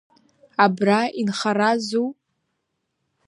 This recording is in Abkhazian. Абра инхаразу?